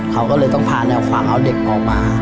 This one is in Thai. เขาก็เลยต้องพาแนวฝั่งเอาเด็กออกมา